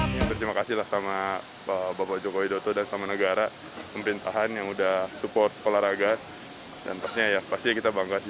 medali terutama juga saudari azhar rafa